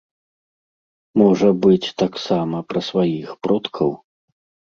Можа быць, таксама пра сваіх продкаў?